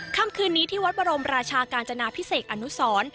ค่ำคืนนี้ที่วัดบรมราชากาญจนาพิเศษอนุสร